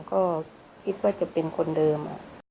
ก็คิดว่าจะเป็นคนเดิม